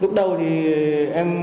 lúc đầu thì em